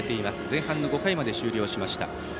前半５回まで終了しました。